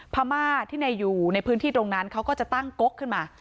พม่าที่อยู่ในพื้นที่ตรงนั้นเขาก็จะตั้งกกขึ้นมา